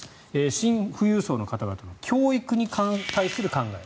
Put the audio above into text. シン富裕層の方々の教育に対する考え。